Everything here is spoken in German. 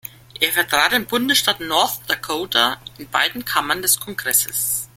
Er vertrat den Bundesstaat North Dakota in beiden Kammern des Kongresses.